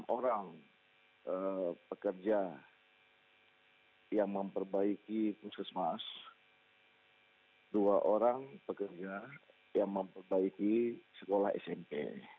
enam orang pekerja yang memperbaiki puskesmas dua orang pekerja yang memperbaiki sekolah smp